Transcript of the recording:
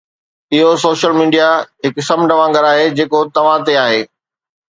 اهو social media هڪ سمنڊ وانگر آهي جيڪو توهان تي آهي